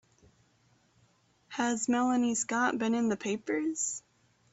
Has Melanie Scott been in the papers?